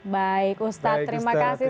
baik ustadz terima kasih